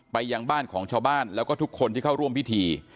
ยังบ้านของชาวบ้านแล้วก็ทุกคนที่เข้าร่วมพิธี